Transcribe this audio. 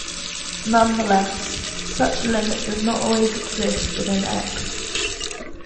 Nonetheless, such a limit does not always exist within "X".